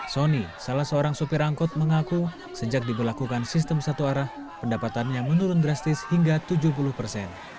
sony salah seorang supir angkut mengaku sejak diberlakukan sistem satu arah pendapatannya menurun drastis hingga tujuh puluh persen